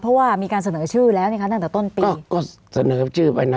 เพราะว่ามีการเสนอชื่อแล้วนี่คะตั้งแต่ต้นปีก็เสนอชื่อไปนะ